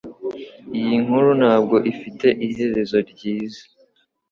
Iyi nkuru ntabwo ifite iherezo ryiza.